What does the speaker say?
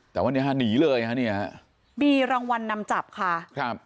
แต่วันนี้ฮะหนีเลยฮะเนี่ยมีรางวัลนำจับค่ะครับ